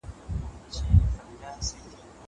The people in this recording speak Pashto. هغه وويل چي کتابتوني کار ضروري دي!!